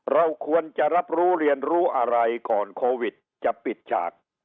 เราควรจะรับรู้เรียนรู้อะไรก่อนโควิดจะปิดฉาก